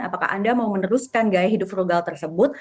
apakah anda mau meneruskan gaya hidup frugal tersebut